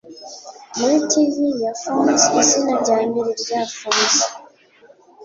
Muri Tv ya Fonz Izina Ryambere rya Fonzie